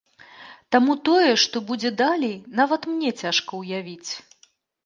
Таму тое, што будзе далей, нават мне цяжка ўявіць.